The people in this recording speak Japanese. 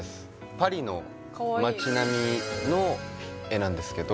パリの街並みの絵なんですけど